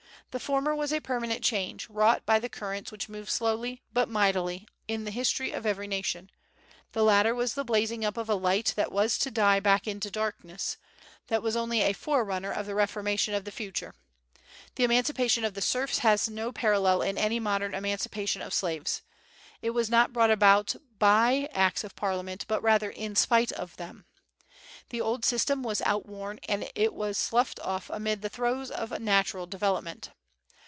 The former was a permanent change, wrought by the currents which move slowly, but mightily, in the history of every nation; the latter was the blazing up of a light that was to die back into darkness, that was only a forerunner of the Reformation of the future. The emancipation of the serfs has no parallel in any modern emancipation of slaves. It was not brought about by acts of parliament, but rather in spite of them. The old system was outworn and was sloughed off amid the throes of natural development.